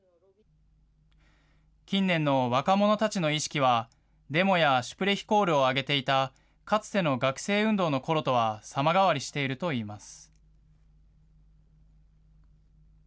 近年の若者たちの意識は、デモやシュプレヒコールを上げていた、かつての学生運動のころとは様変わりしているといいます。